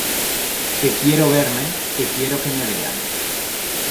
Que quiero verme, que quiero que me vean.